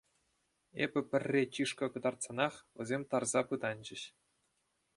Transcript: Эпӗ пӗрре чышкӑ кӑтартсанах, вӗсем тарса пытанчӗҫ.